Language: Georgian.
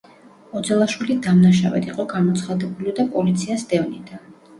ოძელაშვილი დამნაშავედ იყო გამოცხადებული და პოლიცია სდევნიდა.